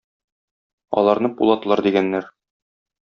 Аларны пулатлар дигәннәр.